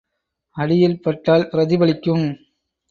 அடியில் பட்டால் பிரதிபலிக்கும்.